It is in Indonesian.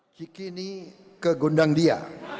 sikini ke gondang dia